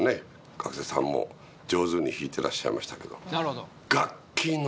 学生さんも上手に弾いてらっしゃいましたけど